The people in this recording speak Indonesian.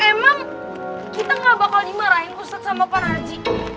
emang kita gak bakal dimarahin ustadz sama pak narci